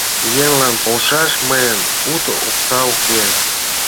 Еҥлан полшаш мыйын уто окса уке!